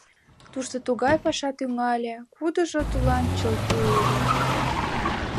Тушто тугай паша тӱҥале, кудыжо тудлан чылт у ыле.